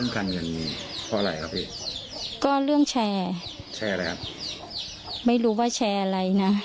ค่ะค่ะค่ะค่ะค่ะค่ะค่ะค่ะ